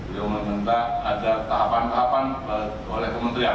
beliau meminta ada tahapan tahapan oleh kementerian